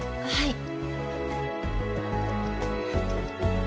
はい。